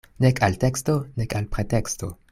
Nek al teksto, nek al preteksto.